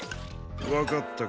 わかったか？